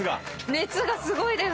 熱がすごいです！